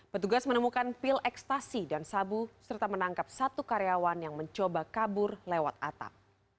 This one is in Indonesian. petugas menemukan pil ekstasi dan sabu serta menangkap satu karyawan yang mencoba kabur lewat atap